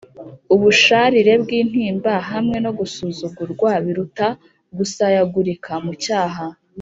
ubusharire bw’intimba hamwe no gusuzugurwa biruta gusayagurika mu cyaha